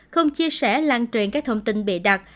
không chia sẻ lan truyền các thông tin bịa đặt